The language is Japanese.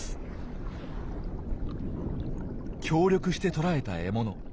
協力して捕らえた獲物。